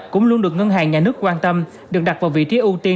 cũng luôn được ngân hàng nhà nước quan tâm được đặt vào vị trí ưu tiên